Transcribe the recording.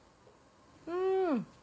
うん。